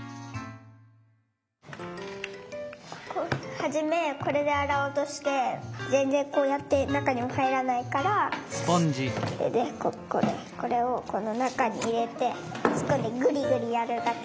はじめこれであらおうとしてぜんぜんこうやってなかにははいらないからこれをこのなかにいれてつっこんでぐりぐりやるだけ。